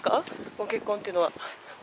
ご結婚というのは。